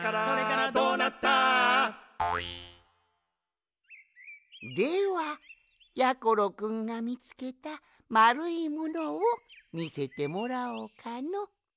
「どうなった？」ではやころくんがみつけたまるいものをみせてもらおうかの。